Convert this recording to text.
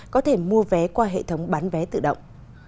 có thể mua vé qua hệ thống bán vé tự động